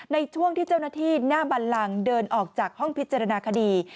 ในช่วงที่เจ้าหน้าที่หน้าบันลังเดินออกจากห้องพิจารณาคดี